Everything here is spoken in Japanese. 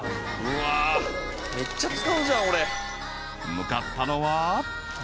［向かったのは］